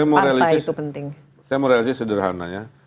pantai itu penting saya mau realisasi sederhananya